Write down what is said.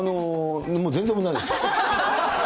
全然問題ないです。